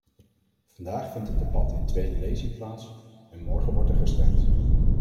Vandaag vindt het debat in tweede lezing plaats, en morgen wordt er gestemd.